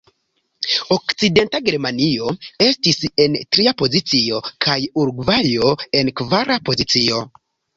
Okcidenta Germanio estis en tria pozicio, kaj Urugvajo en kvara pozicio.